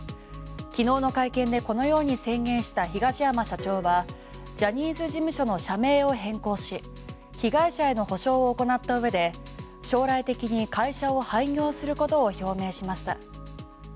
昨日の会見でこのように宣言した東山社長はジャニーズ事務所の社名を変更し被害者への補償を行ったうえで将来的に会社を廃業することを表明しました。